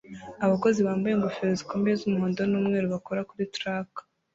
Abakozi bambaye ingofero zikomeye z'umuhondo n'umweru bakora kuri tracks